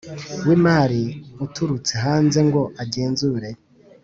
w imari uturutse hanze ngo agenzure